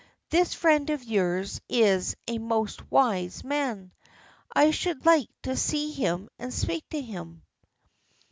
This friend of yours is a most wise man. I should like to see him and speak to him."